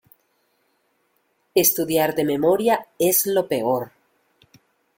Estudiar de memoria es lo peor.